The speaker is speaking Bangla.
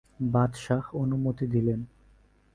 বাদশাহ অনুমতি দিলেন।